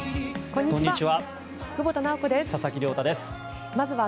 こんにちは。